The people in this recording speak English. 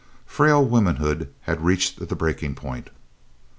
Frail womanhood had reached the breaking point.